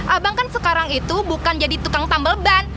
abang kan sekarang itu bukan jadi tukang tambal ban